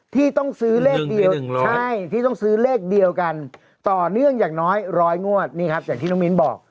ที่ต้องซื้อเลขเดียวใช่ที่ต้องซื้อเลขเดียวกันต่อเนื่องอย่างน้อยร้อยงวดนี่ครับอย่างที่น้องมิ้นบอก